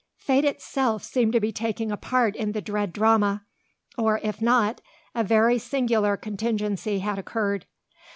Fate itself seemed to be taking a part in the dread drama; or, if not, a very singular contingency had occurred.